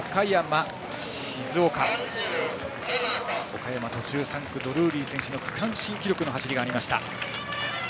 岡山、途中３区ドルーリー選手の区間新記録の走りがありました。